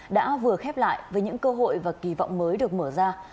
đã vừa khép lại với những cơ hội và kỳ vọng mới được mở ra